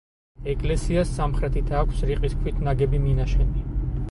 ეკლესიას სამხრეთით აქვს რიყის ქვით ნაგები მინაშენი.